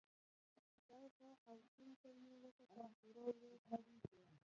شاوخوا او سیند ته مې وکتل، ورو ورو تګ.